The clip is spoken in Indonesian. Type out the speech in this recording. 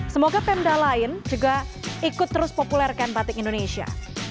semoga pemda lain juga ikut terus populerkan batik indonesia